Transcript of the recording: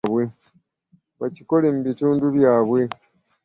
Bakikole mu bitundu byabwe